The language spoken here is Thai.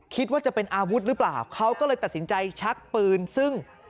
คิดว่าจะเป็นอาวุธหรือเปล่าเขาก็เลยตัดสินใจชักปืนซึ่ง